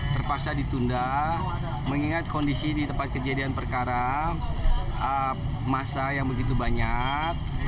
terpaksa ditunda mengingat kondisi di tempat kejadian perkara masa yang begitu banyak